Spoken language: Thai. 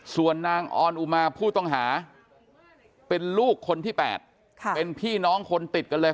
ส่วนนางออนอุมาผู้ต้องหาเป็นลูกคนที่๘เป็นพี่น้องคนติดกันเลย